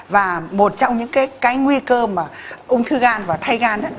và một trong những cái nguy cơ mà ung thư gan và thay gan